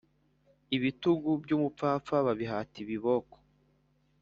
Ibitygu byumupfapfa babihata ibi book